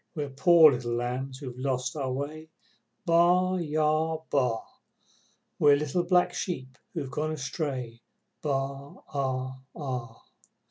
We're poor little lambs who've lost our way, Baa! Baa! Baa! We're little black sheep who've gone astray, Baa aa aa!